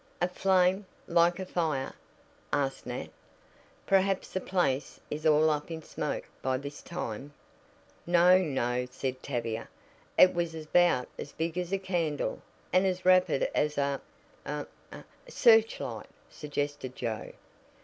"A flame, like a fire?" asked Nat "Perhaps the place is all up in smoke by this time." "No, no," said Tavia. "It was about as big as a candle and as rapid as a a " "Searchlight," suggested Joe.